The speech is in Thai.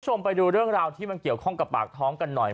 คุณผู้ชมไปดูเรื่องราวที่มันเกี่ยวข้องกับปากท้องกันหน่อย